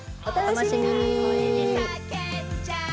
お楽しみに！